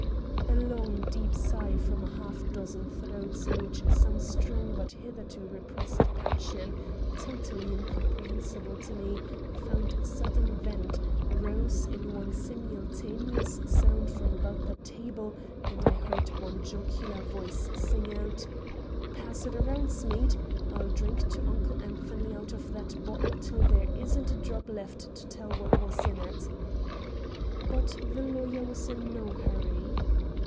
A long deep sigh from a half dozen throats in which some strong but hitherto repressed passion, totally incomprehensible to me, found sudden vent, rose in one simultaneous sound from about that table, and I heard one jocular voice sing out: "Pass it around, Smead. I'll drink to Uncle Anthony out of that bottle till there isn't a drop left to tell what was in it!" But the lawyer was in no hurry.